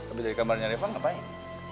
abis dari gambarnya reva ngapain